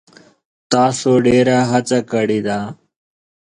تاسو ډیره هڅه کړې ده.